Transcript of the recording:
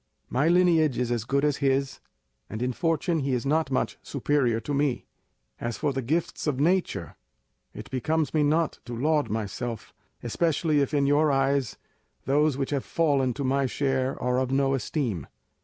My lineage is as good as his, and in fortune he is not much superior to me. As for the gifts of nature, it becomes me not to laud myself, especially if in your eyes those which have fallen to my share are of no esteem.